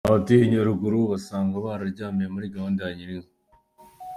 Abatuye Nyaruguru basanga bararyamiwe muri gahunda ya girinka